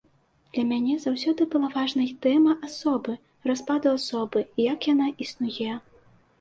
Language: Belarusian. Для мяне заўсёды была важнай тэма асобы, распаду асобы, як яна існуе.